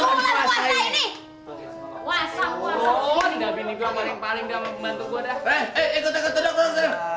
tidak tidak tidak